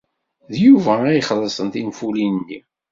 D Yuba ay ixellṣen tinfulin-nni.